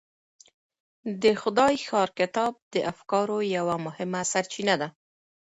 د خدای ښار کتاب د افکارو یوه مهمه سرچینه ده.